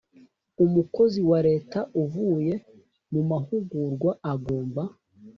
Umukozi wa leta uvuye mu mahugurwa agomba